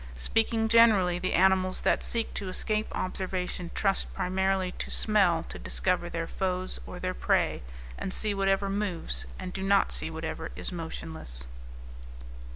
Speaking generally, the animals that seek to escape observation trust primarily to smell to discover their foes or their prey, and see whatever moves and do not see whatever is motionless.